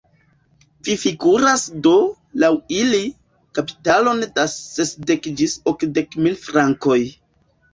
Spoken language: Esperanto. Vi figuras do, laŭ ili, kapitalon da sesdek ĝis okdek mil frankoj.